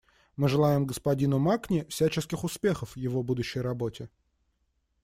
Мы желаем господину Макни всяческих успехов в его будущей работе.